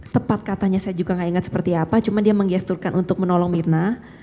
tepat katanya saya juga gak ingat seperti apa cuma dia menggesturkan untuk menolong mirna